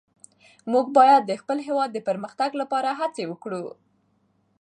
موږ باید د خپل هېواد د پرمختګ لپاره هڅې وکړو.